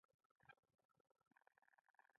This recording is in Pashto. ګلداد د ماښام لمانځه لپاره اودس تازه کړ.